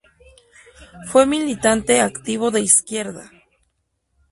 Fue militante activo de izquierda.